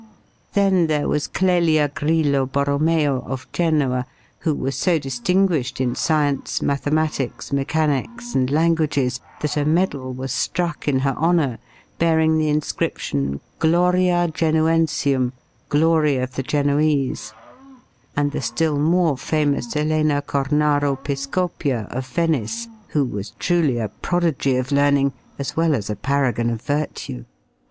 Then there was Clelia Grillo Borromeo, of Genoa, who was so distinguished in science, mathematics, mechanics and languages that a medal was struck in her honor bearing the inscription, Gloria Genuensium glory of the Genoese; and the still more famous Elena Cornaro Piscopia, of Venice, who was truly a prodigy of learning as well as a paragon of virtue.